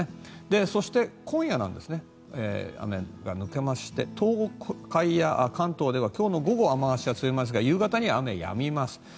そして、今夜は雨が抜けまして東海や関東では今日の午後、雨脚が強まりますが夕方には雨はやみます。